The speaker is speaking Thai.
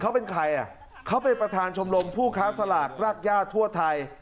เขาเป็นใครอ่ะเขาเป็นประธานชมรมผู้ค้าสลากรากย่าทั่วไทย